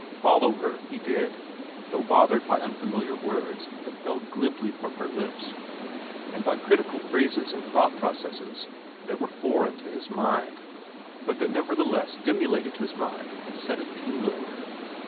Follow her he did, though bothered by unfamiliar words that fell glibly from her lips and by critical phrases and thought processes that were foreign to his mind, but that nevertheless stimulated his mind and set it tingling.